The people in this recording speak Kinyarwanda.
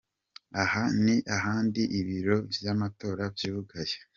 Aha ni ahandi ibiro vy'amatora vyugaye:.